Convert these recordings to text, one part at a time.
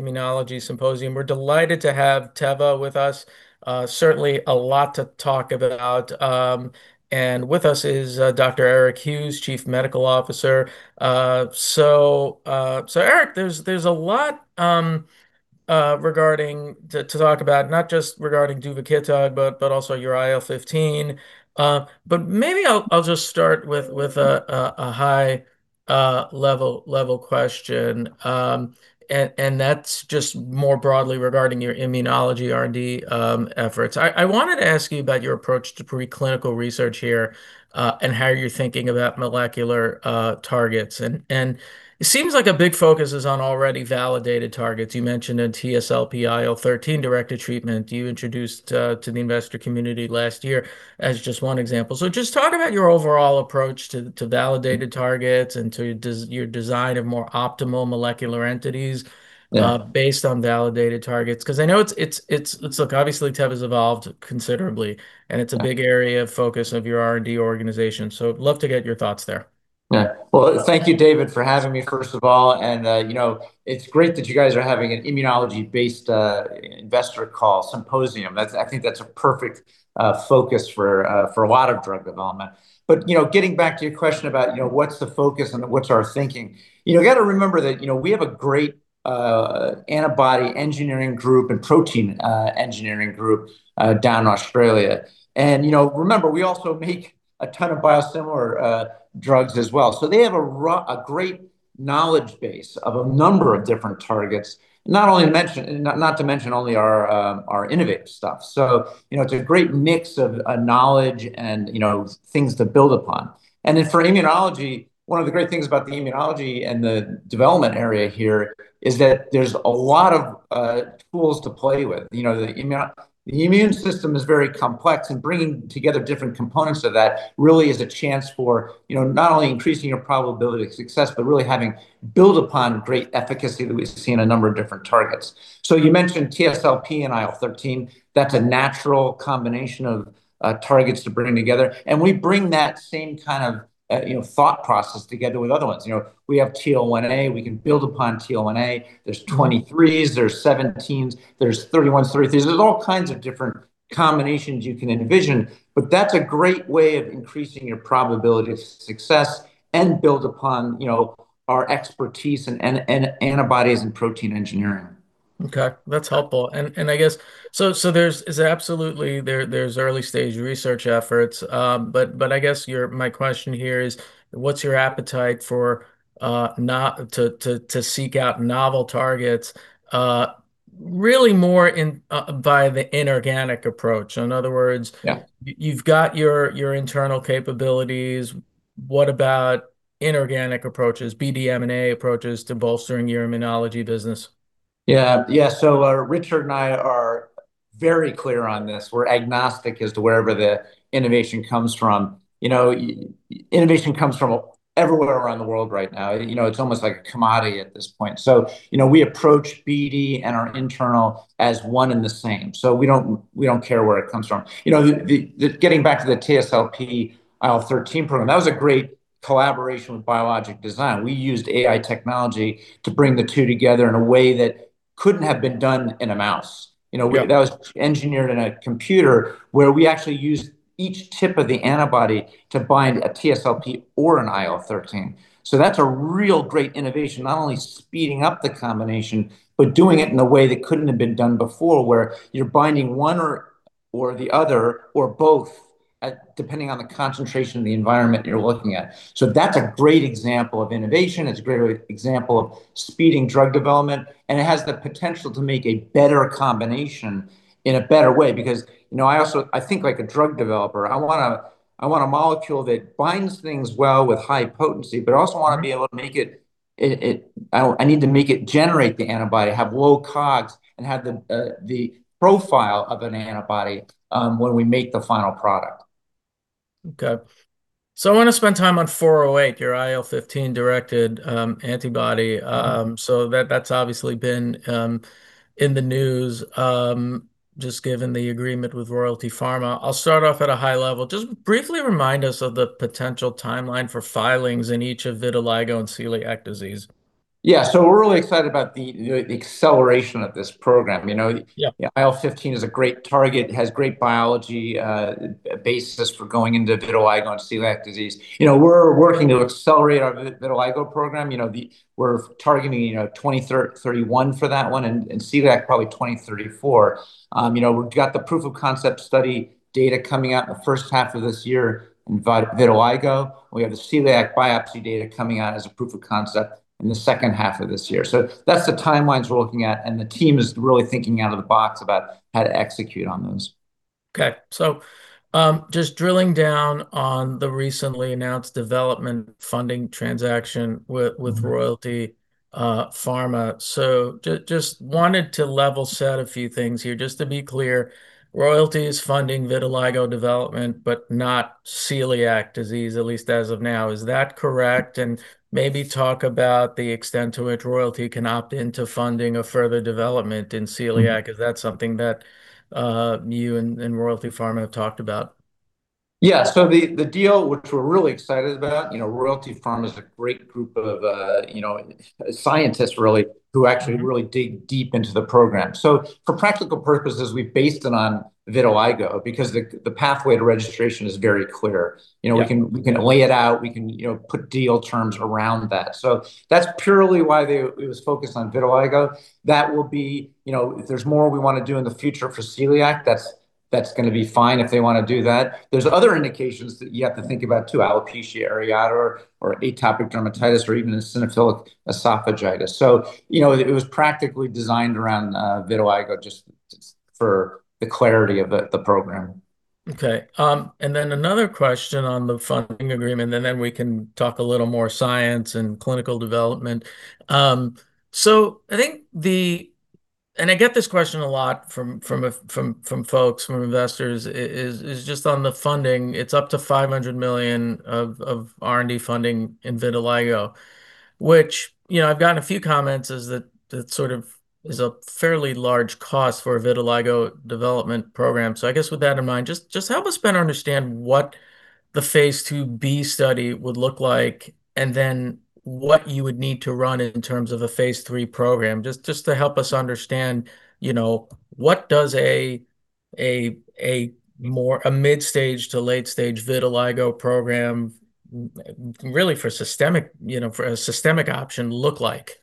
Immunology Symposium. We're delighted to have Teva with us. Certainly a lot to talk about, and with us is Dr. Eric Hughes, Chief Medical Officer. So Eric, there's a lot to talk about, not just regarding duvakitug, but also your IL-15. But maybe I'll just start with a high level question, and that's just more broadly regarding your immunology R&D efforts. I wanted to ask you about your approach to pre-clinical research here, and how you're thinking about molecular targets. It seems like a big focus is on already validated targets. You mentioned a TSLP/IL-13-directed treatment you introduced to the investor community last year as just one example. So just talk about your overall approach to validated targets and to your design of more optimal molecular entities. Yeah... based on validated targets. 'Cause I know it's... Look, obviously Teva's evolved considerably, and it's a big. Yeah. Area of focus of your R&D organization, so I'd love to get your thoughts there. Yeah. Well, thank you, David, for having me, first of all, and, you know, it's great that you guys are having an immunology-based investor call symposium. That's. I think that's a perfect focus for a lot of drug development. But, you know, getting back to your question about, you know, what's the focus and what's our thinking, you know, you gotta remember that, you know, we have a great antibody engineering group and protein engineering group down in Australia. And, you know, remember, we also make a ton of biosimilar drugs as well. So they have a great knowledge base of a number of different targets, not only, not to mention our innovative stuff. So, you know, it's a great mix of knowledge and, you know, things to build upon. Then for immunology, one of the great things about the immunology and the development area here is that there's a lot of tools to play with. You know, the immune system is very complex, and bringing together different components of that really is a chance for, you know, not only increasing your probability of success, but really having build upon great efficacy that we've seen in a number of different targets. So you mentioned TSLP and IL-13. That's a natural combination of targets to bring together, and we bring that same kind of, you know, thought process together with other ones. You know, we have TL1A. We can build upon TL1A. There's 23s, there's 17s, there's 31s, 33s. There's all kinds of different combinations you can envision, but that's a great way of increasing your probability of success and build upon, you know, our expertise in antibodies and protein engineering. Okay, that's helpful. And I guess... So, there's absolutely early-stage research efforts. But I guess my question here is, what's your appetite for to seek out novel targets? Really more in by the inorganic approach. So in other words. Yeah. You've got your internal capabilities. What about inorganic approaches, BD/M&A approaches to bolstering your immunology business? Yeah. Yeah, so, Richard and I are very clear on this. We're agnostic as to wherever the innovation comes from. You know, innovation comes from everywhere around the world right now. You know, it's almost like a commodity at this point. So, you know, we approach BD and our internal as one and the same, so we don't, we don't care where it comes from. You know, getting back to the TSLP, IL-13 program, that was a great collaboration with Biolojic Design. We used AI technology to bring the two together in a way that couldn't have been done in a mouse. Yeah. You know, that was engineered in a computer where we actually used each tip of the antibody to bind a TSLP or an IL-13. So that's a real great innovation, not only speeding up the combination, but doing it in a way that couldn't have been done before, where you're binding one or, or the other, or both, depending on the concentration of the environment you're looking at. So that's a great example of innovation. It's a great example of speeding drug development, and it has the potential to make a better combination in a better way. Because, you know, I also... I think like a drug developer, I want a, I want a molecule that binds things well with high potency, but I also. Mm-hmm. Wanna be able to make it. I need to make it generate the antibody, have low COGS, and have the profile of an antibody when we make the final product. Okay. So I wanna spend time on 408, your IL-15-directed antibody. So that's obviously been in the news just given the agreement with Royalty Pharma. I'll start off at a high level. Just briefly remind us of the potential timeline for filings in each of vitiligo and celiac disease. Yeah, so we're really excited about the acceleration of this program. You know. Yeah IL-15 is a great target, it has great biology, a basis for going into vitiligo and celiac disease. You know, we're working to accelerate our vitiligo program. You know, we're targeting, you know, 2031 for that one, and, and celiac, probably 2034. You know, we've got the proof of concept study data coming out in the first half of this year in vitiligo. We have the celiac biopsy data coming out as a proof of concept in the second half of this year. So that's the timelines we're looking at, and the team is really thinking out of the box about how to execute on those. Okay. So, just drilling down on the recently announced development funding transaction with. Mm-hmm. Royalty Pharma. So just wanted to level set a few things here. Just to be clear, Royalty is funding vitiligo development, but not celiac disease, at least as of now. Is that correct? And maybe talk about the extent to which Royalty can opt into funding of further development in celiac- Mm-hmm. If that's something that, you and, and Royalty Pharma have talked about?... Yeah, so the deal, which we're really excited about, you know, Royalty Pharma is a great group of scientists really, who actually really dig deep into the program. So for practical purposes, we based it on vitiligo because the pathway to registration is very clear. Yeah. You know, we can, we can lay it out, we can, you know, put deal terms around that. So that's purely why they. It was focused on vitiligo. That will be... You know, if there's more we want to do in the future for celiac, that's, that's gonna be fine if they want to do that. There's other indications that you have to think about, too, alopecia areata or atopic dermatitis, or even eosinophilic esophagitis. So, you know, it, it was practically designed around vitiligo, just, just for the clarity of the, the program. Okay. And then another question on the funding agreement, and then we can talk a little more science and clinical development. So I think and I get this question a lot from folks, from investors, is just on the funding. It's up to $500 million R&D funding in vitiligo, which, you know, I've gotten a few comments is that that sort of is a fairly large cost for a vitiligo development program. So I guess with that in mind, just help us better understand what the phase II-B study would look like, and then what you would need to run in terms of a phase III program. Just to help us understand, you know, what does a mid-stage to late-stage vitiligo program really for systemic, you know, for a systemic option, look like?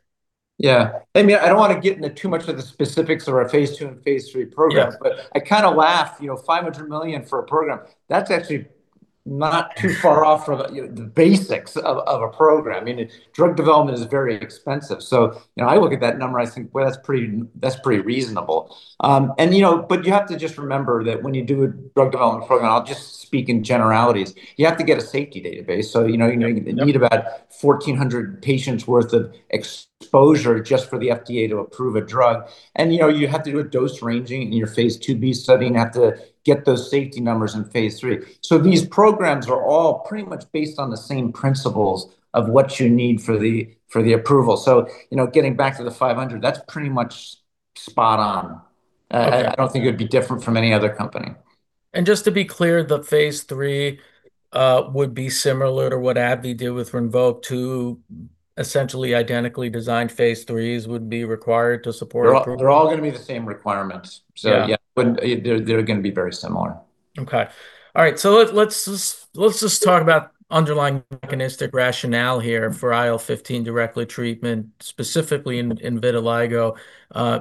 Yeah. I mean, I don't want to get into too much of the specifics of our phase II and phase III programs. Yeah. But I kind of laugh, you know, $500 million for a program. That's actually not too far off from the, you know, the basics of a program. I mean, drug development is very expensive. So, you know, I look at that number, I think, "Well, that's pretty, that's pretty reasonable." And, you know, but you have to just remember that when you do a drug development program, I'll just speak in generalities, you have to get a safety database. So, you know, you need. Yeah. About 1,400 patients worth of exposure just for the FDA to approve a drug. You know, you have to do a dose ranging in your phase II-B study, and you have to get those safety numbers in phase III. These programs are all pretty much based on the same principles of what you need for the, for the approval. You know, getting back to the 500, that's pretty much spot on. Okay. I don't think it would be different from any other company. Just to be clear, the phase III would be similar to what AbbVie did with Rinvoq, two essentially identically designed phase IIIs would be required to support approval? They're all, they're all gonna be the same requirements. Yeah. Yeah, they're gonna be very similar. Okay. All right, so let's just, let's just talk about underlying mechanistic rationale here for IL-15 directly treatment, specifically in, in vitiligo.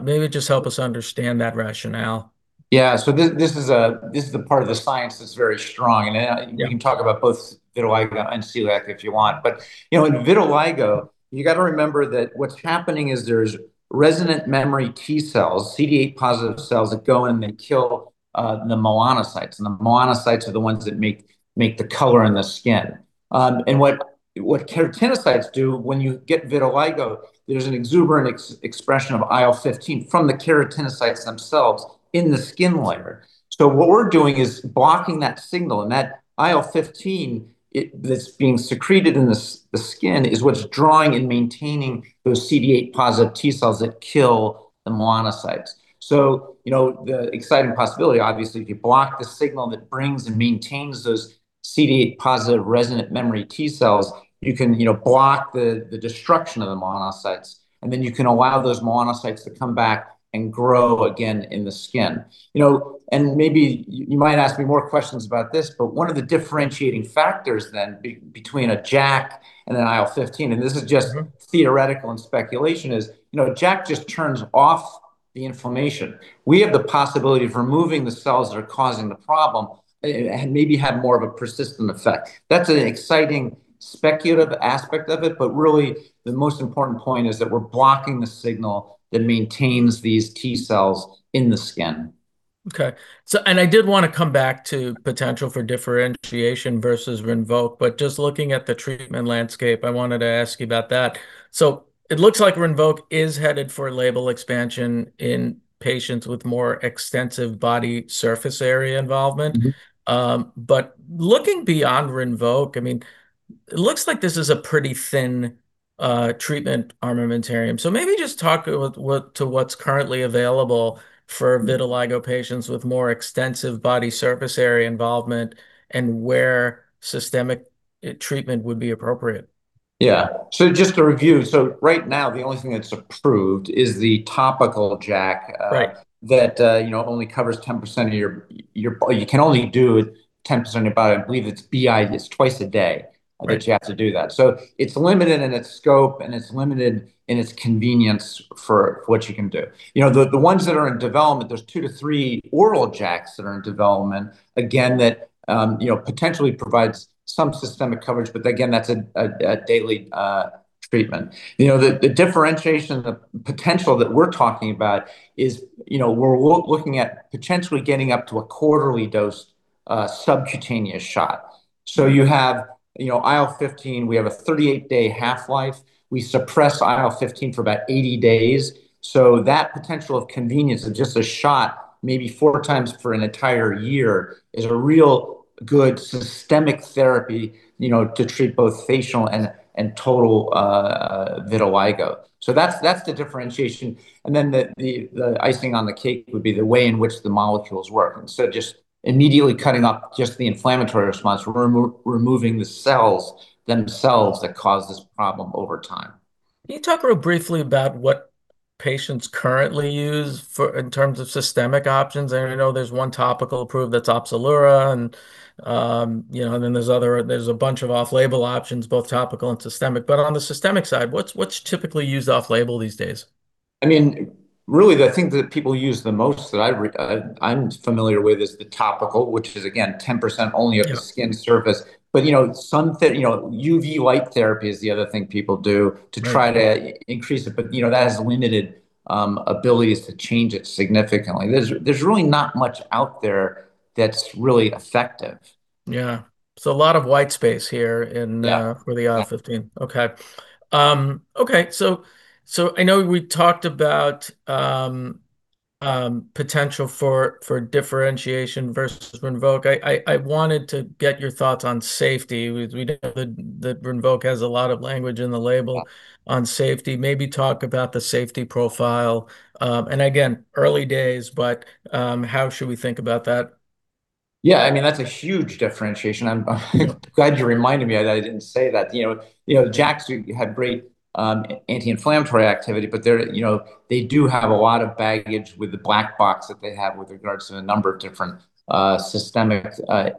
Maybe just help us understand that rationale. Yeah. So this is the part of the science that's very strong. Yeah. We can talk about both vitiligo and celiac if you want. But, you know, in vitiligo, you got to remember that what's happening is there's resident memory T-cells, CD8 positive T-cells, that go and they kill the melanocytes, and the melanocytes are the ones that make the color in the skin. And what keratinocytes do when you get vitiligo, there's an exuberant expression of IL-15 from the keratinocytes themselves in the skin layer. So what we're doing is blocking that signal, and that IL-15 that's being secreted in the skin, is what's drawing and maintaining those CD8 positive T-cells that kill the melanocytes. So, you know, the exciting possibility, obviously, if you block the signal that brings and maintains those CD8 positive resident memory T-cells, you can, you know, block the destruction of the melanocytes, and then you can allow those melanocytes to come back and grow again in the skin. You know, and maybe you might ask me more questions about this, but one of the differentiating factors then between a JAK and an IL-15, and this is just. Mm-hmm. Theoretical and speculation, is, you know, JAK just turns off the inflammation. We have the possibility of removing the cells that are causing the problem and maybe have more of a persistent effect. That's an exciting speculative aspect of it, but really, the most important point is that we're blocking the signal that maintains these T-cells in the skin. I did want to come back to potential for differentiation versus Rinvoq, but just looking at the treatment landscape, I wanted to ask you about that. So it looks like Rinvoq is headed for label expansion in patients with more extensive body surface area involvement. Mm-hmm. But looking beyond Rinvoq, I mean, it looks like this is a pretty thin treatment armamentarium. Maybe just talk about what's currently available for vitiligo patients with more extensive body surface area involvement, and where systemic treatment would be appropriate. Yeah. So just to review, so right now, the only thing that's approved is the topical JAK- Right... that, you know, only covers 10% of your, your— you can only do 10% of your body. I believe it's BID, it's twice a day. Right. ... That you have to do that. So it's limited in its scope, and it's limited in its convenience for what you can do. You know, the ones that are in development, there's 2-3 oral JAKs that are in development, again, that you know, potentially provides some systemic coverage, but again, that's a daily treatment. You know, the differentiation, the potential that we're talking about is, you know, we're looking at potentially getting up to a quarterly dosed subcutaneous shot. Mm-hmm. So you have, you know, IL-15, we have a 38-day half-life. We suppress IL-15 for about 80 days. So that potential of convenience of just a shot, maybe 4 times for an entire year, is a real good systemic therapy, you know, to treat both facial and, and total vitiligo. So that's, that's the differentiation, and then the, the, the icing on the cake would be the way in which the molecules work. Instead of just immediately cutting up just the inflammatory response, we're removing the cells themselves that cause this problem over time. Can you talk real briefly about what patients currently use for, in terms of systemic options? I know there's one topical approved, that's Opzelura, and, you know, and then there's a bunch of off-label options, both topical and systemic. But on the systemic side, what's typically used off-label these days? I mean, really, the thing that people use the most that I'm familiar with is the topical, which is, again, 10% only. Yeah. Of the skin surface. But, you know, some you know, UV light therapy is the other thing people do. Right.... To try to increase it, but, you know, that has limited abilities to change it significantly. There's really not much out there that's really effective. Yeah. So a lot of white space here in. Yeah.... For the IL-15. Okay. So I know we talked about potential for differentiation versus Rinvoq. I wanted to get your thoughts on safety. We know that Rinvoq has a lot of language in the label. Yeah.... On safety. Maybe talk about the safety profile. And again, early days, but how should we think about that? Yeah, I mean, that's a huge differentiation. I'm, I'm glad you reminded me that I didn't say that. You know, you know, JAKs had great, anti-inflammatory activity, but they're, you know, they do have a lot of baggage with the black box that they have with regards to a number of different, systemic,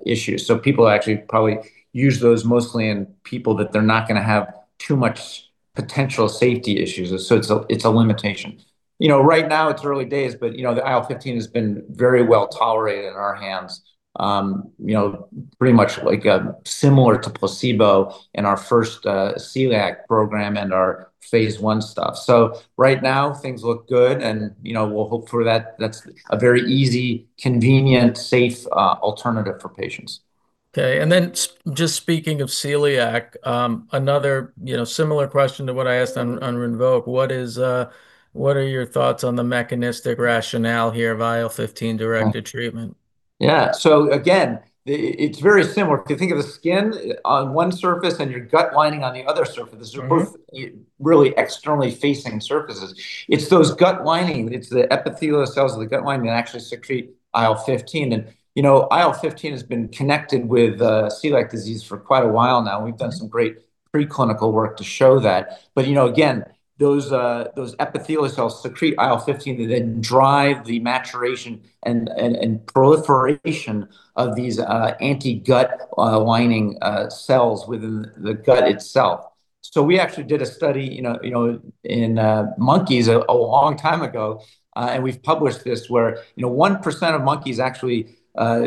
issues. So people actually probably use those mostly in people that they're not gonna have too much potential safety issues. So it's a, it's a limitation. You know, right now it's early days, but, you know, the IL-15 has been very well tolerated in our hands. You know, pretty much like, similar to placebo in our first, celiac program and our phase I stuff. So right now, things look good, and, you know, we'll hope for that. That's a very easy, convenient, safe, alternative for patients. Okay, and then just speaking of celiac, another, you know, similar question to what I asked on, on Rinvoq, what is, what are your thoughts on the mechanistic rationale here of IL-15 directed treatment? Yeah. So again, it, it's very similar. If you think of the skin on one surface and your gut lining on the other surface. Right.... These are both really externally facing surfaces. It's those gut lining, it's the epithelial cells of the gut lining that actually secrete IL-15. And, you know, IL-15 has been connected with celiac disease for quite a while now. We've done some great preclinical work to show that. But, you know, again, those epithelial cells secrete IL-15, they then drive the maturation and proliferation of these anti-gut lining cells within the gut itself. So we actually did a study, you know, in monkeys a long time ago, and we've published this, where 1% of monkeys actually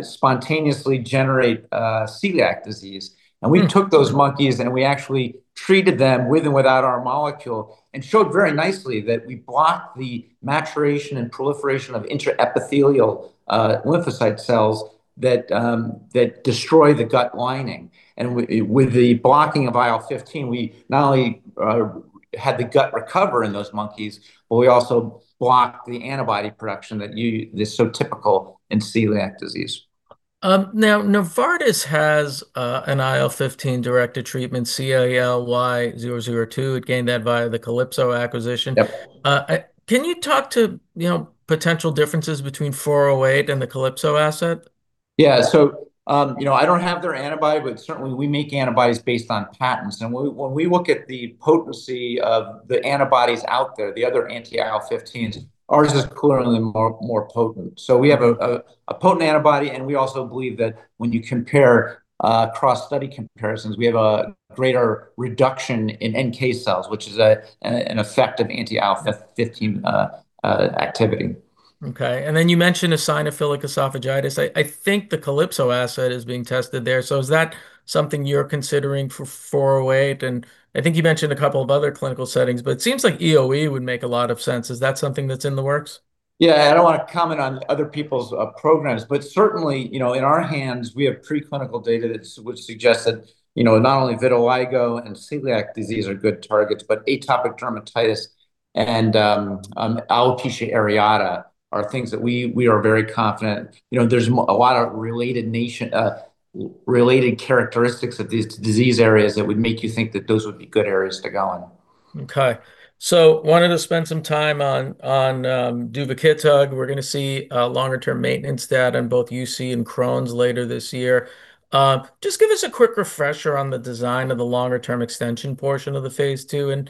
spontaneously generate celiac disease. Hmm. We took those monkeys, and we actually treated them with and without our molecule, and showed very nicely that we block the maturation and proliferation of intraepithelial lymphocyte cells that destroy the gut lining. With the blocking of IL-15, we not only had the gut recover in those monkeys, but we also blocked the antibody production that is so typical in celiac disease. Now, Novartis has an IL-15 directed treatment, CALY-002. It gained that via the Calypso acquisition. Yep. Can you talk to, you know, potential differences between 408 and the Calypso asset? Yeah. So, you know, I don't have their antibody, but certainly we make antibodies based on patents. And when we look at the potency of the antibodies out there, the other anti-IL-15s, ours is clearly more, more potent. So we have a potent antibody, and we also believe that when you compare, cross-study comparisons, we have a greater reduction in NK cells, which is an effective anti-IL-15 activity. Okay, and then you mentioned eosinophilic esophagitis. I think the Calypso asset is being tested there. So is that something you're considering for 408? And I think you mentioned a couple of other clinical settings, but it seems like EoE would make a lot of sense. Is that something that's in the works? Yeah, I don't want to comment on other people's programs, but certainly, you know, in our hands, we have preclinical data that would suggest that, you know, not only vitiligo and celiac disease are good targets, but atopic dermatitis and alopecia areata are things that we are very confident. You know, there's a lot of related characteristics of these disease areas that would make you think that those would be good areas to go in. Okay. So wanted to spend some time on duvakitug. We're gonna see longer term maintenance data on both UC and Crohn's later this year. Just give us a quick refresher on the design of the longer term extension portion of the phase II,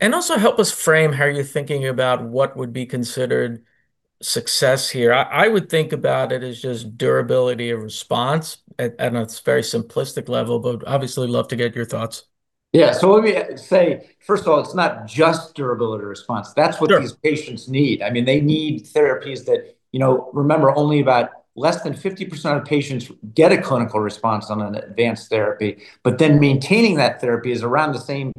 and also help us frame how you're thinking about what would be considered success here. I would think about it as just durability of response at a very simplistic level, but obviously love to get your thoughts. Yeah. Let me say, first of all, it's not just durability response. Sure. That's what these patients need. I mean, they need therapies that... You know, remember, only about less than 50% of patients get a clinical response on an advanced therapy, but then maintaining that therapy is around the same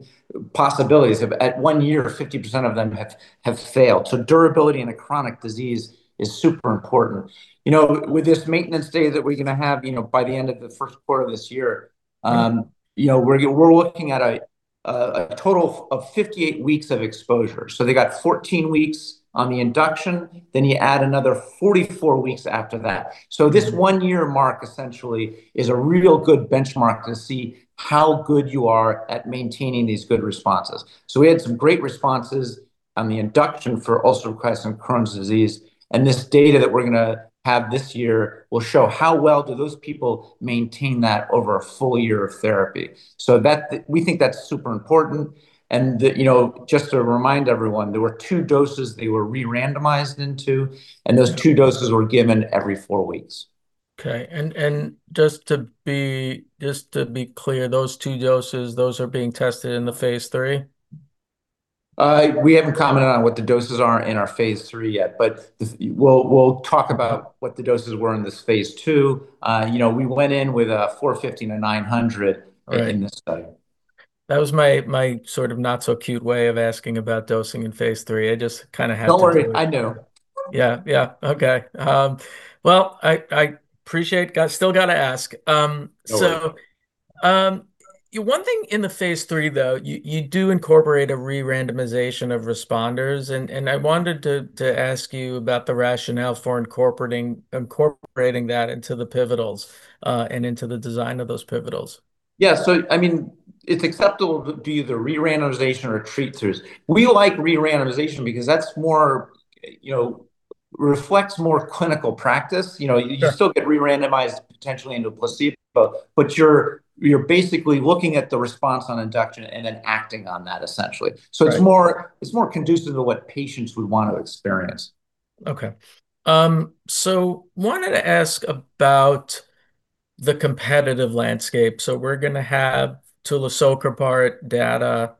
possibilities. At one year, 50% of them have failed. So durability in a chronic disease is super important. You know, with this maintenance data that we're gonna have, you know, by the end of the first quarter of this year, we're looking at a total of 58 weeks of exposure. So they got 14 weeks on the induction, then you add another 44 weeks after that. Mm. So this one-year mark, essentially, is a real good benchmark to see how good you are at maintaining these good responses. So we had some great responses on the induction for ulcerative colitis and Crohn's disease, and this data that we're gonna have this year will show how well do those people maintain that over a full year of therapy. So that, we think that's super important, and that, you know, just to remind everyone, there were two doses they were re-randomized into, and those two doses were given every four weeks. Okay, and just to be clear, those two doses, those are being tested in the phase III? We haven't commented on what the doses are in our phase III yet, but we'll, we'll talk about what the doses were in this phase II. You know, we went in with a 450 and a 900. Right.... In this study. That was my sort of not-so-cute way of asking about dosing in phase III. I just kind of had to. Don't worry. I know. Yeah, yeah. Okay. Well, I appreciate still gotta ask. So. No worry. One thing in the phase III, though, you do incorporate a re-randomization of responders, and I wanted to ask you about the rationale for incorporating that into the pivotals, and into the design of those pivotals. Yeah, so I mean, it's acceptable to do either re-randomization or retreaters. We like re-randomization because that's more, you know, reflects more clinical practice. You know. Sure.... You still get re-randomized potentially into a placebo, but you're basically looking at the response on induction and then acting on that, essentially. Right. It's more, it's more conducive to what patients would want to experience. Okay. So wanted to ask about the competitive landscape. So we're gonna have MK-7240 data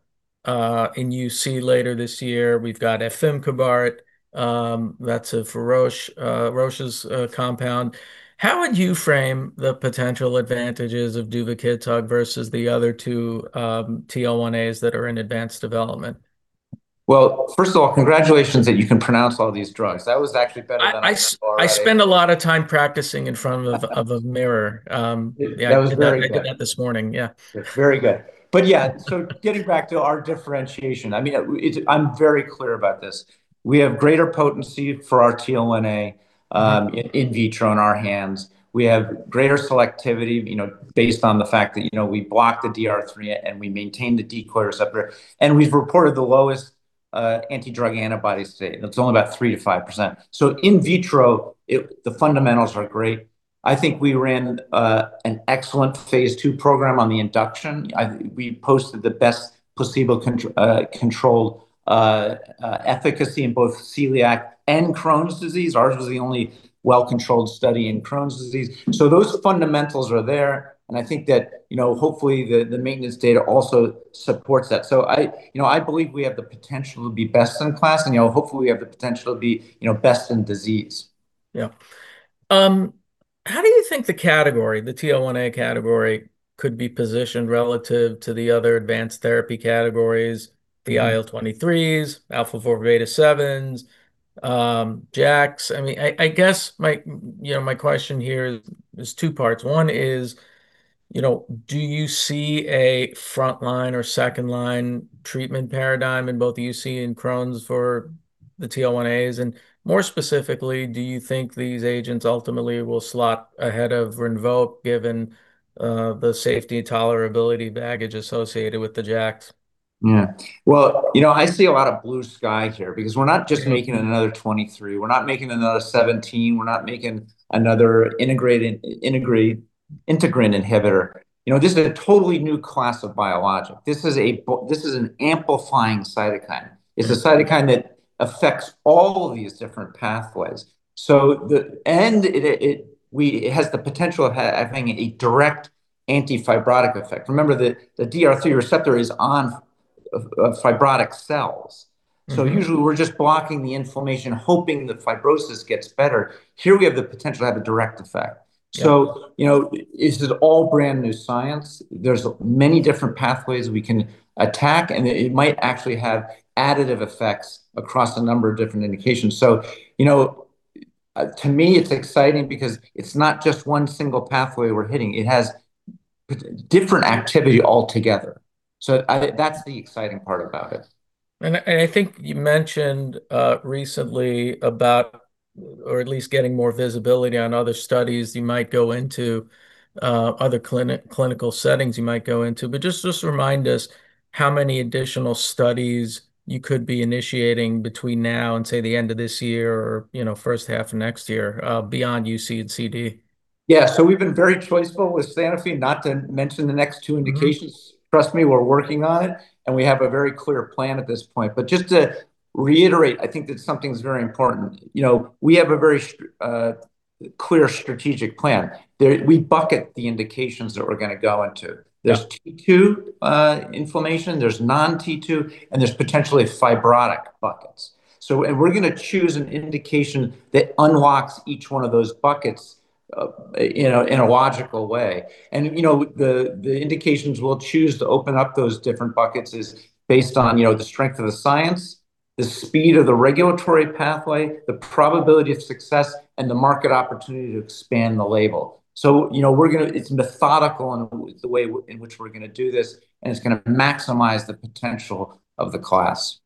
in UC later this year. We've got RVT-3101, that's a Roche's compound. How would you frame the potential advantages of duvakitug versus the other two, TL1As that are in advanced development? Well, first of all, congratulations that you can pronounce all these drugs. That was actually better than I. I spend a lot of time practicing in front of a mirror. Yeah. That was very good. I did that this morning. Yeah. Very good. But yeah, so getting back to our differentiation, I mean, it's... I'm very clear about this. We have greater potency for our TL1A in vitro, in our hands. We have greater selectivity, you know, based on the fact that, you know, we block the DR3, and we maintain the DcR3, and we've reported the lowest anti-drug antibody rate, and it's only about 3%-5%. So in vitro, the fundamentals are great. I think we ran an excellent phase II program on the induction. We posted the best placebo-controlled efficacy in both celiac and Crohn's disease. Ours was the only well-controlled study in Crohn's disease. So those fundamentals are there, and I think that, you know, hopefully, the maintenance data also supports that. So, you know, I believe we have the potential to be best in class, and, you know, hopefully, we have the potential to be, you know, best in disease. Yeah. How do you think the category, the TL1A category, could be positioned relative to the other advanced therapy categories? Mm-hmm.... The IL-23s, alpha-4 beta-7s, JAKs? I mean, I guess, my, you know, my question here is two parts. One is, you know, do you see a front-line or second-line treatment paradigm in both UC and Crohn's for the TL1As, and more specifically, do you think these agents ultimately will slot ahead of Rinvoq, given the safety tolerability baggage associated with the JAKs? Yeah. Well, you know, I see a lot of blue sky here because we're not just making. Yeah. Another 23. We're not making another 17. We're not making another integrated, integrin inhibitor. You know, this is a totally new class of biologic. This is an amplifying cytokine. Mm-hmm. It's a cytokine that affects all these different pathways. So it has the potential of having a direct anti-fibrotic effect. Remember that the DR3 receptor is on fibrotic cells. Mm-hmm. Usually, we're just blocking the inflammation, hoping the fibrosis gets better. Here, we have the potential to have a direct effect. Yeah. So, you know, it is all brand-new science. There's many different pathways we can attack, and it, it might actually have additive effects across a number of different indications. So, you know, to me, it's exciting because it's not just one single pathway we're hitting. It has p- different activity altogether. So I, that's the exciting part about this. I think you mentioned recently about, or at least getting more visibility on other studies you might go into other clinical settings you might go into, but just remind us how many additional studies you could be initiating between now and, say, the end of this year or, you know, first half of next year, beyond UC and CD? Yeah, so we've been very choiceful with Sanofi not to mention the next two indications. Mm-hmm. Trust me, we're working on it, and we have a very clear plan at this point. But just to reiterate, I think that something's very important. You know, we have a very clear strategic plan. There, we bucket the indications that we're gonna go into. Yeah. There's T2 inflammation, there's non-T2, and there's potentially fibrotic buckets. So, we're gonna choose an indication that unlocks each one of those buckets, you know, in a logical way, and, you know, the indications we'll choose to open up those different buckets is based on, you know, the strength of the science, the speed of the regulatory pathway, the probability of success, and the market opportunity to expand the label. So, you know, we're gonna... It's methodical in the way in which we're gonna do this, and it's gonna maximize the potential of the class.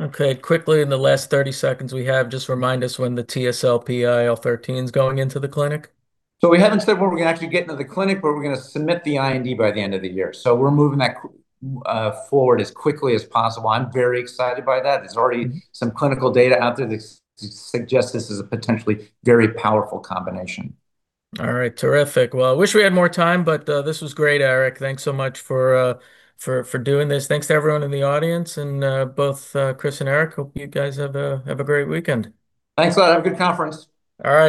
Okay, quickly, in the last 30 seconds we have, just remind us when the TSLP IL-13's going into the clinic? So we haven't said when we're gonna actually get into the clinic, but we're gonna submit the IND by the end of the year. So we're moving that forward as quickly as possible. I'm very excited by that. Mm-hmm. There's already some clinical data out there that suggest this is a potentially very powerful combination. All right. Terrific. Well, I wish we had more time, but this was great, Eric. Thanks so much for doing this. Thanks to everyone in the audience, and both Chris and Eric, hope you guys have a great weekend. Thanks a lot. Have a good conference. All right.